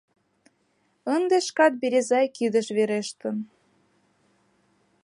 Ынде шкат Березай кидыш верештын.